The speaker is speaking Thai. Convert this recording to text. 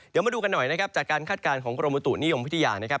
เดี๋ยวมาดูกันหน่อยนะครับจากการคาดการณ์ของกรมบุตุนิยมวิทยานะครับ